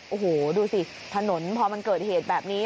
โอ้โหดูสิถนนพอมันเกิดเหตุแบบนี้